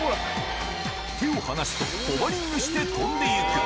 手を放すとホバリングして飛んでいく。